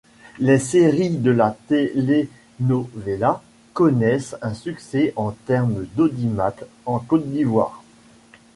Les séries de la Telenovela connaissent un succès en termes d'audimat en Côte d'Ivoire.